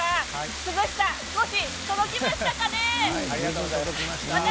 涼しさが少し届きましたかね。